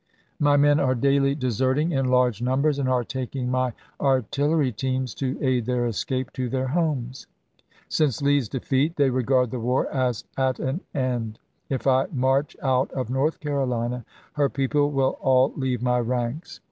My men are daily deserting in large numbers, and are taking my artillery teams to aid their escape to their homes. Since Lee's defeat they regard the war as at an end. If I march out of North Carolina, her people will all leave my ranks.